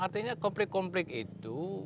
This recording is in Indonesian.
artinya konflik konflik itu